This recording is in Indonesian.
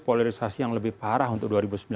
polarisasi yang lebih parah untuk dua ribu sembilan belas